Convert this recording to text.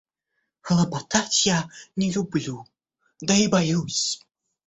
Хлопотать я не люблю, да и боюсь.